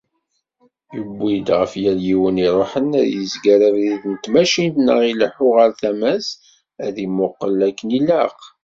Yuwi-d ɣef yal yiwen iruḥen ad yezger abrid n tmacint neɣ ileḥḥu ɣer tama-s, ad imuqel akken ilaq.